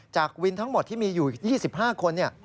วินทั้งหมดที่มีอยู่๒๕คน